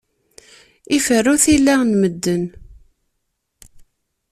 Iferru tilla n medden.